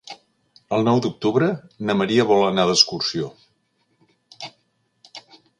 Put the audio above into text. El nou d'octubre na Maria vol anar d'excursió.